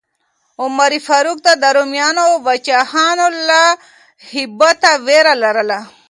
عمر فاروق ته د رومیانو پاچاهانو له هیبته ویره لرله.